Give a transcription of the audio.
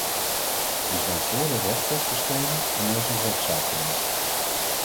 Ik ben voor de rechter verschenen en er is een rechtszaak geweest.